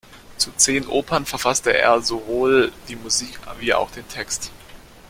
Zu zehn Opern verfasste er sowohl die Musik wie auch den Text.